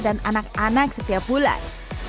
dan anak anak setiap bulan